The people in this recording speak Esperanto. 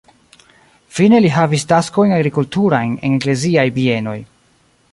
Fine li havis taskojn agrikulturajn en ekleziaj bienoj.